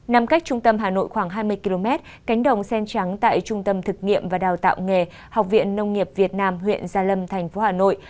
nằm cách trung tâm hà nội khoảng hai mươi km cánh đồng sen trắng tại trung tâm thực nghiệm và đào tạo nghề học viện nông nghiệp việt nam huyện gia lâm thành phố hà nội